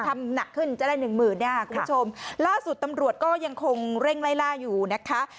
หนักขึ้นจะได้หนึ่งหมื่นเนี่ยค่ะคุณผู้ชมล่าสุดตำรวจก็ยังคงเร่งไล่ล่าอยู่นะคะ